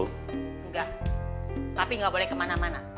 enggak papi gak boleh kemana mana